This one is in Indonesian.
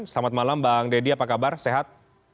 selamat malam bang deddy apa kabar sehat